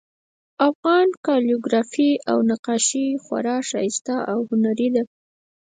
افغان کالیګرافي او نقاشي خورا ښایسته او هنري ده